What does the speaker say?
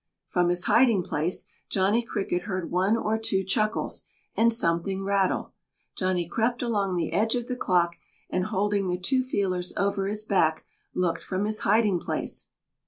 From his hiding place, Johnny Cricket heard one or two chuckles, and something rattle. Johnny crept along the edge of the clock and holding the two feelers over his back looked from his hiding place....